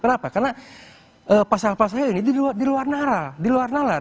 kenapa karena pasal pasalnya ini di luar nara di luar nalar